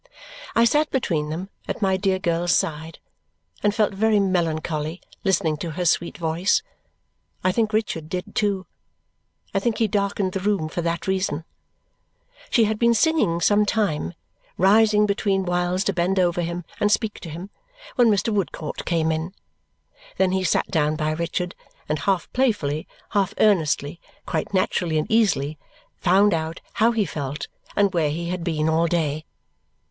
I sat between them, at my dear girl's side, and felt very melancholy listening to her sweet voice. I think Richard did too; I think he darkened the room for that reason. She had been singing some time, rising between whiles to bend over him and speak to him, when Mr. Woodcourt came in. Then he sat down by Richard and half playfully, half earnestly, quite naturally and easily, found out how he felt and where he had been all day.